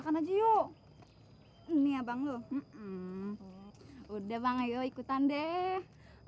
bagno udah banget yuk ikutan deh